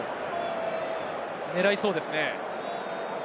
狙いそうですね。